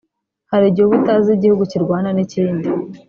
Hari igihe uba utazi igihugu kirwana n'ikindi